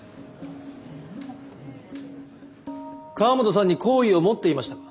河本さんに好意を持っていましたか？